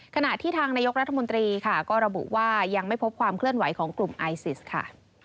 ขณะที่ทางนายกรัฐมนตรีค่ะก็ระบุว่ายังไม่พบความเคลื่อนไหวของกลุ่มไอซิสค่ะ